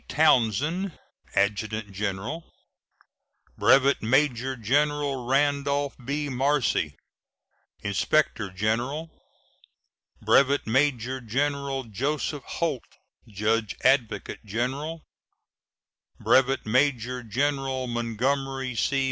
Townsend, Adjutant General; Brevet Major General Randolph B. Marcy, Inspect or General; Brevet Major General Joseph Holt, Judge Advocate General; Brevet Major General Montgomery C.